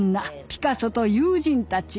「ピカソと友人たち」